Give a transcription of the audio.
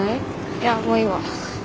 いやもういいわ。